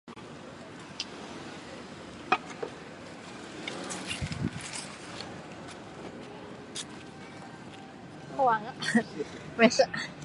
长久的战争和庞大的军费令萨拉查军政权失去了很多葡国人民特别是中下级军官的支持。